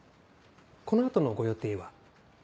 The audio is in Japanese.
この後のご予定は？